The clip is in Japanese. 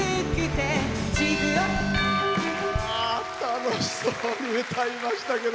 楽しそうに歌いましたけど。